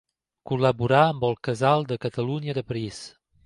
Col·laborà amb el Casal de Catalunya de París.